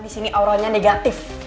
disini auronya negatif